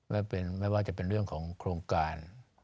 ไม่ว่าจะเป็นเรื่องของโครงการ